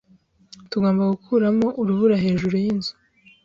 Tugomba gukuramo urubura hejuru yinzu.